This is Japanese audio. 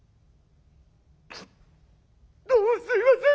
「どうもすいません。